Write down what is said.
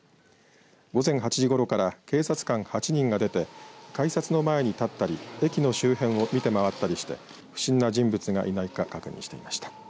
午前８時ごろから警察官８人が出て改札の前に立ったり駅の周辺を見て回ったりして不審な人物がいないか確認していました。